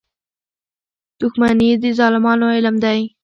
• دښمني د ظالمانو عمل دی.